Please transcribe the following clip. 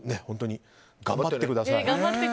本当に頑張ってください。